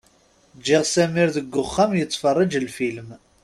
Ǧǧiɣ Samir deg uxxam yettfeṛṛiǧ lfilm.